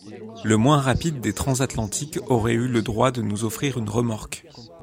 Le moins rapide des transatlantiques aurait eu le droit de nous offrir une remorque.